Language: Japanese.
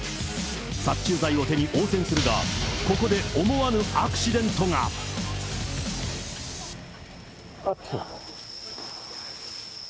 殺虫剤を手に応戦するが、ここで思わぬアクシデあっ。